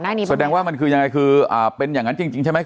แสดงว่ามันคือยังไงคืออ่าเป็นอย่างนั้นจริงใช่ไหม